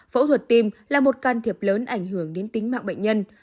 phẫu thuật tim là một can thiệp lớn ảnh hưởng đến tính mạng bệnh nhân